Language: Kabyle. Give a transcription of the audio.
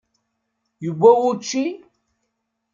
Yewwa wučči?